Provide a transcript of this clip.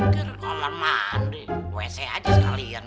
kalo mau mandi wc aja sekalian